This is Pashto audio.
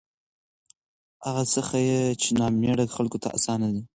هغه څخه چې نامېړه خلکو ته اسان دي